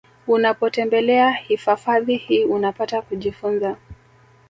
Unapotembelea hifafadhi hii unapata kujifunza